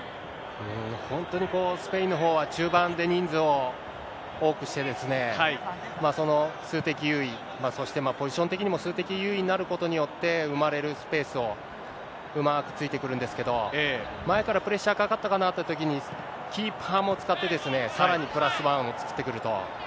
本当にこう、スペインのほうは、中盤で人数を多くして、数的優位、そしてポジション的にも数的優位になることによって生まれるスペースをうまくついてくるんですけど、前からプレッシャーかかったかなっていうときに、キーパーも使って、さらにプラスワンを作ってくると。